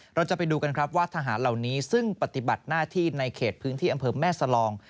เราจะไปดูกันครับว่าทหารเหล่านี้ซึ่งปฏิบัติหน้าที่ในเขตพื้นที่อำเภอแม่สลอง